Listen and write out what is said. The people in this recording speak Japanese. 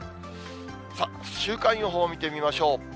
さあ、週間予報を見てみましょう。